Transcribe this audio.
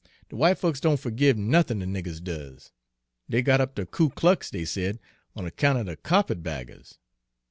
De w'ite folks don' fergive nothin' de niggers does. Dey got up de Ku Klux, dey said, on 'count er de kyarpit baggers.